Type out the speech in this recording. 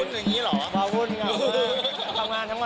ตลอดรุ่นอย่างงี้เหรอ